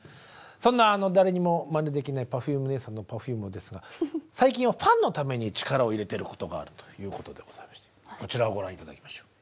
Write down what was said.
そんな誰にもまねできないＰｅｒｆｕｍｅねえさんのＰｅｒｆｕｍｅですが最近はファンのために力を入れてることがあるということでございましてこちらをご覧頂きましょう。